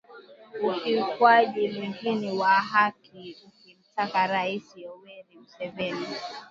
ukiukwaji mwingine wa haki akimtaka Raisi Yoweri Museveni